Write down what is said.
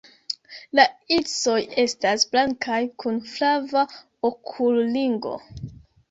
La irisoj estas blankaj kun flava okulringo.